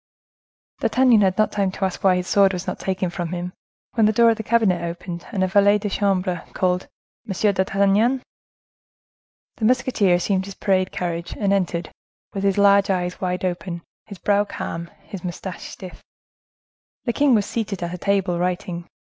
D'Artagnan had not had time to ask why his sword was not taken from him, when the door of the cabinet opened, and a valet de chambre called, "M. d'Artagnan!" The musketeer assumed his parade carriage, and entered, with his large eyes wide open, his brow calm, his moustache stiff. The king was seated at a table writing.